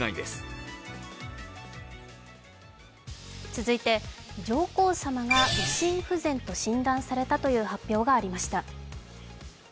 続いて上皇さまが右心不全と診断されたという発表がありました。